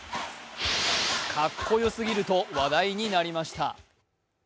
かっこよすぎると話題になりました。